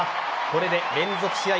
これで連続試合